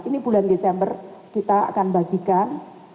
ini bulan desember kita akan bagikan